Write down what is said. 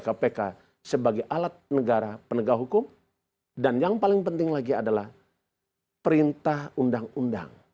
kpk sebagai alat negara penegak hukum dan yang paling penting lagi adalah perintah undang undang